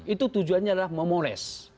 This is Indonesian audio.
itu tujuannya adalah memores